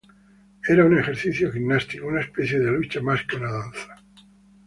Era un ejercicio gimnástico, una especie de lucha más que una danza.